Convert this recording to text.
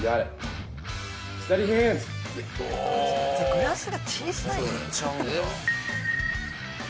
グラスが小さい。